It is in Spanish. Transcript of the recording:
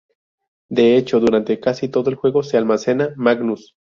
De hecho, durante casi todo el juego se almacenan Magnus.